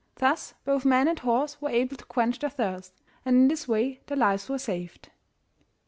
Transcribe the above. Thus both man and horse were able to quench their thirst, and in this way their lives were saved.